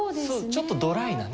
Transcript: ちょっとドライなね。